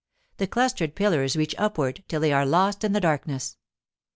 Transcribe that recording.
The clustered pillars reach upward till they are lost in the darkness.